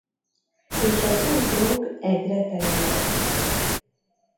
És az új drog egyre terjed.